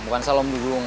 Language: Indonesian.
bukan salah om dudung